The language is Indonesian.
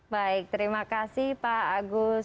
baik terima kasih pak agus